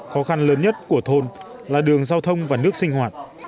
khó khăn lớn nhất của thôn là đường giao thông và nước sinh hoạt